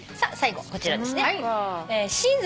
最後こちらですね。